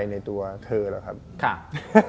นะแดง